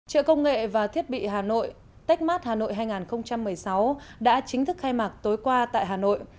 trợ công nghệ và thiết bị hà nội techmart hà nội hai nghìn một mươi sáu đã chính thức khai mạc tối qua tại hà nội